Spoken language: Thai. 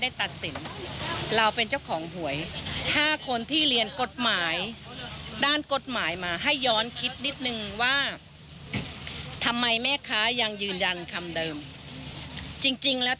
ปีเตอร์หัวร้านที่เจ๊เกียวพูดตั้งกว่าวันที่สาบานแล้ว